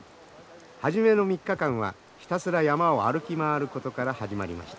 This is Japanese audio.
初めの３日間はひたすら山を歩き回ることから始まりました。